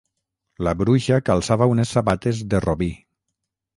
La bruixa calçava unes sabates de robí.